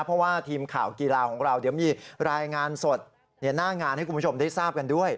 เพราะว่าทีมข่าวกีฬาของเราเดี๋ยวมีรายงานสดหน้างานให้คุณผู้ชมได้ทราบกันด้วย